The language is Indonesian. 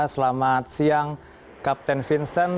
selamat siang kapten vincent